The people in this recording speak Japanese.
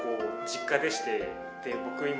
僕今。